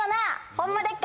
⁉ホンマでっか